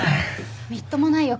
みっともないよ。